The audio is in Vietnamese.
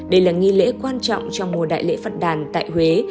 đây là nghi lễ quan trọng trong mùa đại lễ phật đàn tại huế